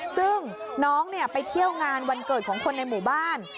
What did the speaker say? ซึ่งน้องไปเที่ยวงานวันเกิดของคนในหมู่บ้าน